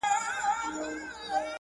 خدای بېشکه مهربان او نګهبان دی!!